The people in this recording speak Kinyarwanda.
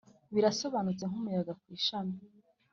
birasobanutse nkumuyaga ku ishami,